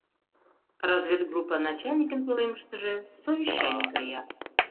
Разведгруппа начальникын пӧлемыштыже совещаний кая.